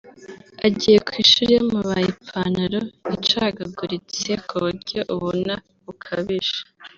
agiye ku ishuri yamabaye ipantalo icagaguritse kuburyo ubona bukabije